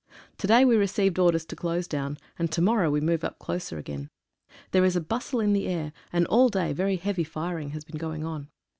To day we re ceived orders to close down, and to morrow we move up closer again. There is a bustle in the air, and all day very heavy firing has been going on.